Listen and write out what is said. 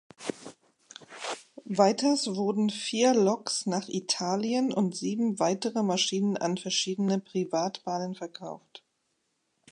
Weiters wurden vier Loks nach Italien und sieben weitere Maschinen an verschiedene Privatbahnen verkauft.